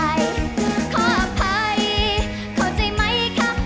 ขออภัยเขาใจไหมคะแฟนชาวบ้าน